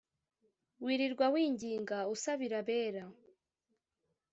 wirirwa winginga usabira abera